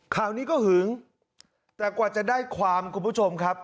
ข่าวนี้ก็หึงแต่กว่าจะได้ความคุณผู้ชมครับ